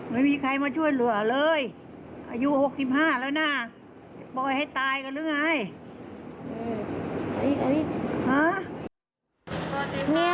ไม่มีใครมาช่วยเหลือเลยอายุ๖๕แล้วนะปล่อยให้ตายกันหรือไง